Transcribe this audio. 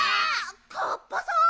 カッパさん？